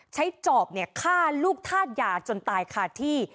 ใช้จอบเนี่ยฆ่าลูกธาตุยาจนตายค่ะที่